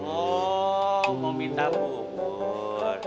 oh mau minta bubur